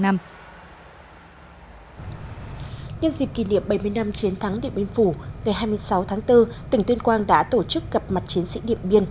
nhân dịp kỷ niệm bảy mươi năm chiến thắng điện biên phủ ngày hai mươi sáu tháng bốn tỉnh tuyên quang đã tổ chức gặp mặt chiến sĩ điện biên